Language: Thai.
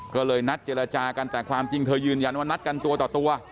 ก็เลยนัดเจรจากันแต่ความจริงเธอยืนยันว่านัดกันตัวต่อตัว